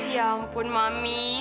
ya ampun mami